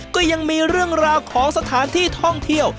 ก็ยังมีเรื่องราวของสถานที่ท่องเที่ยว